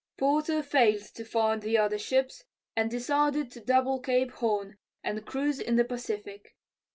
Porter failed to find the other ships and decided to double Cape Horn and cruise in the Pacific.